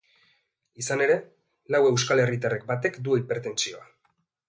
Izan ere, lau euskal herritarretik batek du hipertentsioa.